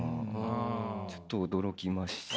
ちょっと驚きました。